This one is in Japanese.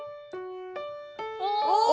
お！